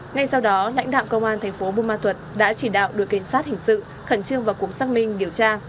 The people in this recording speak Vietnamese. ngay sau đó lãnh đạo công an thành phố bù ma thuật đã chỉ đạo đội cảnh sát hình sự khẩn trương vào cuộc xác minh điều tra